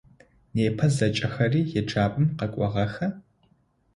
Непэ зэкӏэхэри еджапӏэм къэкӏуагъэха?